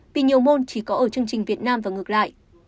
vì nhiều môn chỉ có ở chương trình việt nam và ngược lại